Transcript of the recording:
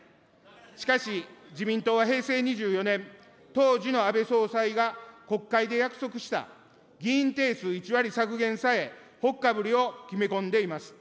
しかし、自民党は平成２４年、当時の安倍総裁が国会で約束した議員定数１割削減さえ、ほっかぶりを決め込んでいます。